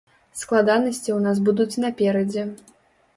Складанасці ў нас будуць наперадзе.